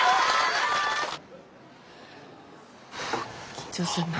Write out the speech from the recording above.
緊張するな。